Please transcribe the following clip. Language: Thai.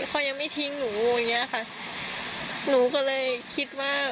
เขายังไม่ทิ้งหนูอย่างเงี้ยค่ะหนูก็เลยคิดว่า